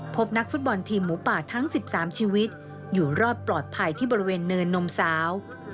พบนักฟุตบอลทีมหมูป่าทั้ง๑๓ชีวิตอยู่รอดปลอดภัยที่บริเวณเนินนมสาว